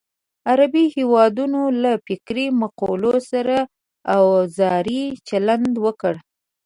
غربي هېوادونو له فکري مقولو سره اوزاري چلند وکړ.